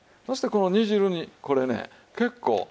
そしてこの煮汁にこれね結構。